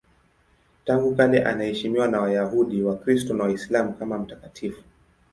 Tangu kale anaheshimiwa na Wayahudi, Wakristo na Waislamu kama mtakatifu.